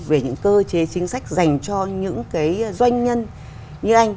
về những cơ chế chính sách dành cho những cái doanh nhân như anh